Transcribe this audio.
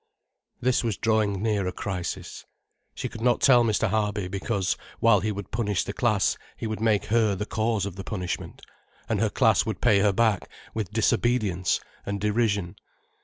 This was drawing near a crisis. She could not tell Mr. Harby because, while he would punish the class, he would make her the cause of the punishment, and her class would pay her back with disobedience and derision.